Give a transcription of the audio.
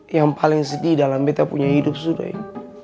yang paling sedih dalam beta punya hidup sudah ini